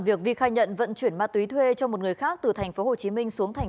việc vì khai nhận vận chuyển ma túy thuê cho một người khác từ thành phố hồ chí minh xuống thành